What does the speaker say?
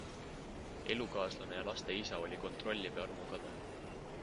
Elukaaslane ja laste isa oli kontrolliv ja armukade.